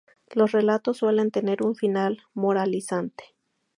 Los relatos suelen tener un final moralizante.